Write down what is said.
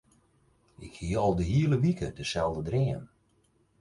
Ik hie al de hiele wike deselde dream.